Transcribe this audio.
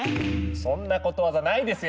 そんなことわざないですよ